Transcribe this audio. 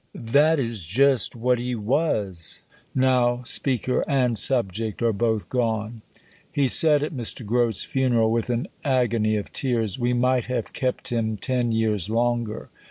That is just what he was. Now, speaker and subject are both gone. He said at Mr. Grote's funeral, with an agony of tears, "We might have kept him 10 years longer."